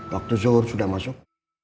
waktu zuhur sudah masuk